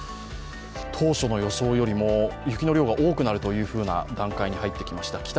当初の予想よりも雪の量が多くなるという段階に入ってきました。